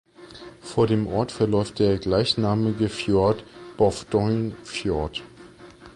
Vor dem Ort verläuft der gleichnamige Fjord (Bowdoin Fjord).